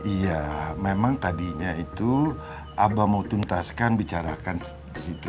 iya memang tadinya itu abah mau tuntaskan bicarakan di situ